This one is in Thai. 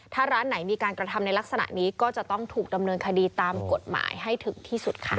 ถ้าร้านไหนมีการกระทำในลักษณะนี้ก็จะต้องถูกดำเนินคดีตามกฎหมายให้ถึงที่สุดค่ะ